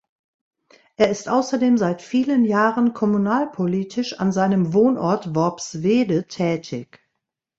Er ist außerdem seit vielen Jahren kommunalpolitisch an seinem Wohnort Worpswede tätig.